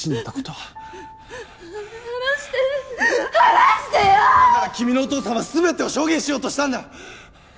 だから君のお父さんは全てを証言しようとしたんだ！